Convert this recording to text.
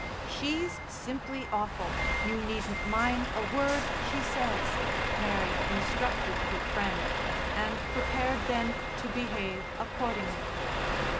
"She's simply awful. You needn't mind a word she says," Mary instructed her friend, and prepared then to behave accordingly.